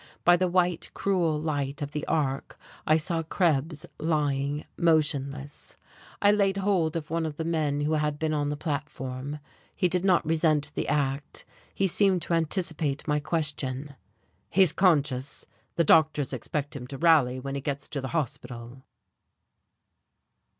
By the white, cruel light of the arc I saw Krebs lying motionless.... I laid hold of one of the men who had been on the platform. He did not resent the act, he seemed to anticipate my question. "He's conscious. The doctors expect him to rally when he gets to the hospital."